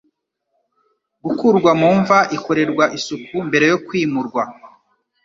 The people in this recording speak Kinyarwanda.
gukurwa mu mva ikorerwa isuku mbere yo kwimurwa